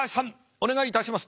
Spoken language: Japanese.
お願いいたします。